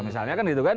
misalnya kan gitu kan